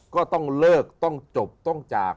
ก็ต้องเลิกต้องจบต้องจาก